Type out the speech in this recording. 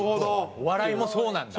お笑いもそうなんだ。